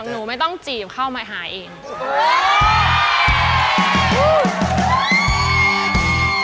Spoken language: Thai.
หนูไม่ต้องจีบเข้ามาหาเอง